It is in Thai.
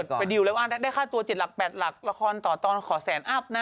ไปดิวเลยว่าได้ค่าตัว๗หลัก๘หลักละครต่อตอนขอแสนอัพนะ